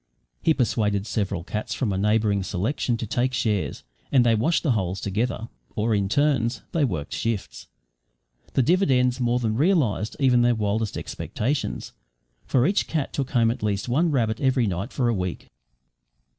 He persuaded several cats from a neighbouring selection to take shares, and they watched the holes together, or in turns they worked shifts. The dividends more than realised even their wildest expectations, for each cat took home at least one rabbit every night for a week.